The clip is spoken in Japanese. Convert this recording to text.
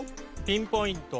ピンポイント。